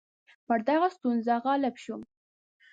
پر دغه ستونزه غالب شو.